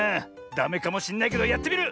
ダメかもしんないけどやってみる！